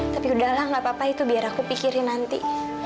tapi udahlah gak apa apa itu biar aku pikirin nanti